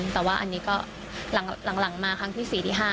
แต่ว่าอันนี้ก็หลังมาครั้งที่๔ที่๕